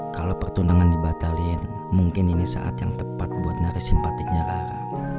kalau pertunangan dibatalin mungkin ini saat yang tepat buat nyari simpatiknya ayah